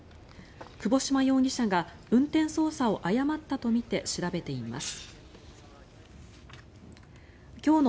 窪島容疑者が運転操作を誤ったとみて調べています。